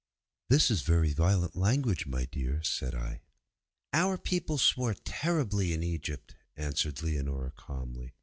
'_ 'This is very violent language, my dear,' said I. 'Our people swore terribly in Egypt,' answered Leonora, calmly.